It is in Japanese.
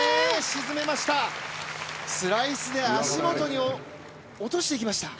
沈めました、スライスで足元に落としてきました。